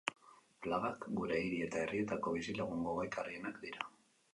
Plagak, gure hiri eta herrietako bizilagun gogaikarrienak dira.